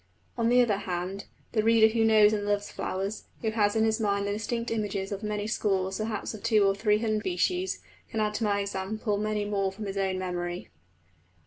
On the other hand, the reader who knows and loves flowers, who has in his mind the distinct images of many scores, perhaps of two or three hundreds of species, can add to my example many more from his own memory.